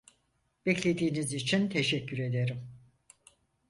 Beklediğiniz için teşekkür ederim.